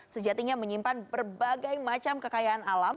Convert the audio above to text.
sejatinya menyimpan berbagai macam kekayaan alam